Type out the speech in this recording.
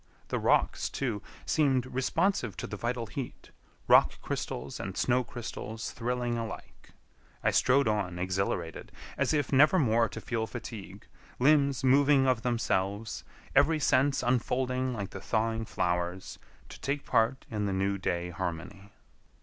The rocks, too, seemed responsive to the vital heat—rock crystals and snow crystals thrilling alike. I strode on exhilarated, as if never more to feel fatigue, limbs moving of themselves, every sense unfolding like the thawing flowers, to take part in the new day harmony.